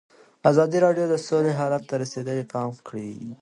ازادي راډیو د سوله حالت ته رسېدلي پام کړی.